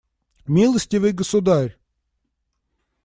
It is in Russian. Милостивый государь!